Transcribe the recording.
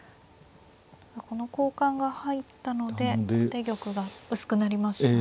この交換が入ったので後手玉が薄くなりましたね。